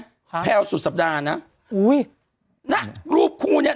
ค่ะแพลวสุดสัปดาห์นะอุ้ยนะรูปคู่เนี้ย